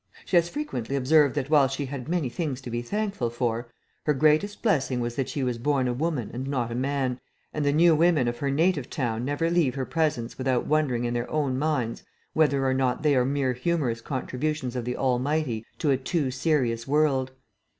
She has frequently observed that while she had many things to be thankful for, her greatest blessing was that she was born a woman and not a man, and the new women of her native town never leave her presence without wondering in their own minds whether or not they are mere humorous contributions of the Almighty to a too serious world.